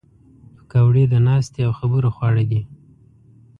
پکورې د ناستې او خبرو خواړه دي